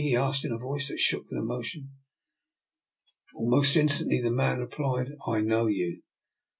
*' he asked, in a voice that shook with emotion. Almost instantly the man repHed: —" I know you."